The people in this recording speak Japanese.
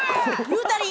言うたり。